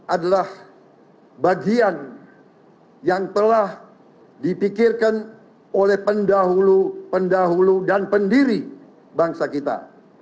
adalah bagian yang telah dipikirkan oleh pendahulu pendahulu dan pendiri bangsa kita